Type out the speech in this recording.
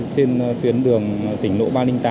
trên tuyến đường tỉnh lộ ba trăm linh tám